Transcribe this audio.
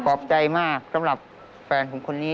ขอบใจมากสำหรับแฟนผมคนนี้